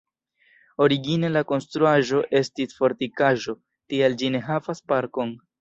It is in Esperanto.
Origine la konstruaĵo estis fortikaĵo, tial ĝi ne havas parkon.